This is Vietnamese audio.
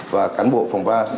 và cán bộ phòng va